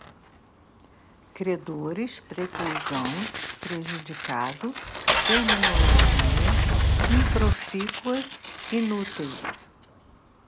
credores, preclusão, prejudicado, terminologia, improfícuas, inúteis